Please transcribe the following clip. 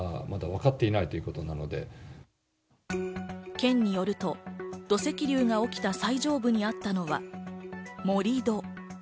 県によると土石流が起きた最上部にあったのは盛り土。